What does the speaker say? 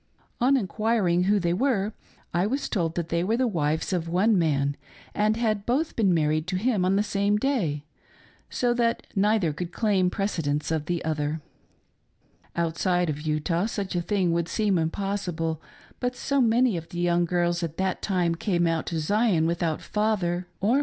On enquiring who they ■were, I was told that they were the wives of one man arid had both %eeh matried to him on the same day, so that neither could claim precedence of the. other. Outside of Utah such a thing would seem impossible, but so many of the young girls at that time came out to Zion Without father ot INSIDE THE TABERNACL5 : THE SERVICES. AND SAfflJTS.